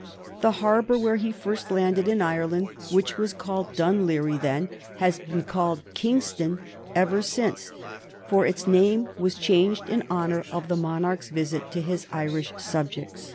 The harbor where he first landed in Ireland, which was called Dunleary then, has been called Kingstown ever since, for its name was changed in honor of the monarch's visit to his Irish subjects.